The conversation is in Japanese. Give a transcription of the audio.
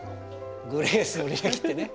「グレースの履歴」ってね。